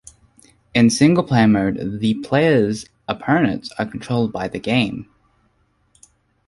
In singleplayer mode, the player's opponents are controlled by the game.